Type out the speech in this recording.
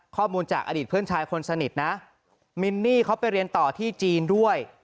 ข้อมูลจากอดีตเพื่อนชายคนสนิทนะมินนี่เขาไปเรียนต่อที่จีนด้วย